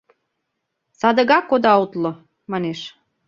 Садыгак ода утло!» — манеш.